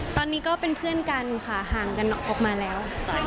ตอนนี้ก็เป็นเพื่อนกันค่ะห่างกันออกมาแล้ว